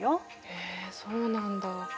へえそうなんだ。